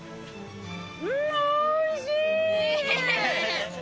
うーん、おいしい！